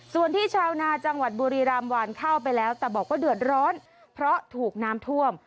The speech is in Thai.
ส่วนที่ชาวนาจังหวัดบุรีรามวานเข้าไปแล้วแต่บอกว่าเดือดร้อนเพราะถูกน้ำท่วม